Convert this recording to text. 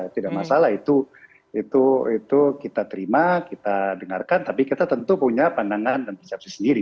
tidak masalah itu kita terima kita dengarkan tapi kita tentu punya pandangan dan persepsi sendiri